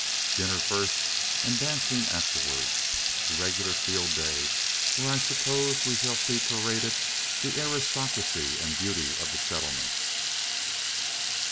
"Dinner first, and dancing afterwards a regular field day, where I suppose we shall see paraded the aristocracy and beauty of the settlement."